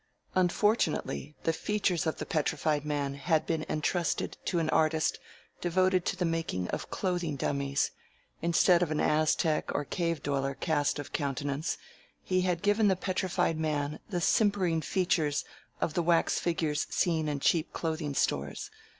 Unfortunately, the features of the Petrified Man had been entrusted to an artist devoted to the making of clothing dummies. Instead of an Aztec or Cave Dweller cast of countenance, he had given the Petrified Man the simpering features of the wax figures seen in cheap clothing stores.